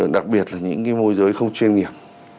đặc biệt là những cái môi giới không chuyên nghiệp